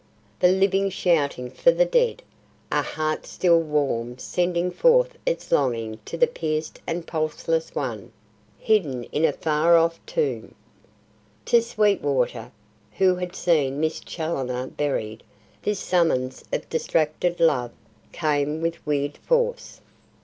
The living shouting for the dead! A heart still warm sending forth its longing to the pierced and pulseless one, hidden in a far off tomb! To Sweetwater, who had seen Miss Challoner buried, this summons of distracted love came with weird force.